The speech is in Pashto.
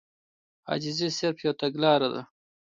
عاجزي صرف يوه تګلاره ده.